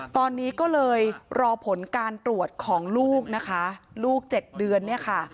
ตอนนี้ก็เลยรอผลการตรวจของลูกนะคะลูก๗เดือนเนี่ยค่ะ